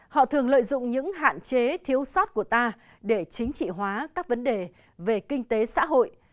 họ thường lợi dụng những hạn chế thiếu sót của ta để chính trị hóa các vấn đề về kinh tế xã hội